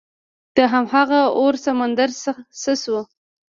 دهمغه اور سمندران څه شول؟